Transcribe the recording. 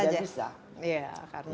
iya karena sibuk kan